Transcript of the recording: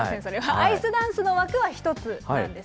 アイスダンスの枠は１つなんです。